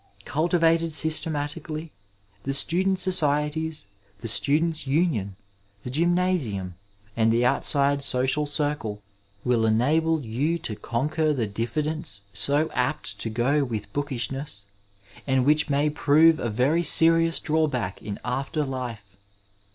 Culti vated systematically, the student societies, the students' union, the gymnasium, and the outside social drele will enable you to conquer the diffidence so apt to go with boddshness and which may prove a very serious draw back in after life.